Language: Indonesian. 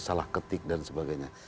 jadi salah ketik dan sebagainya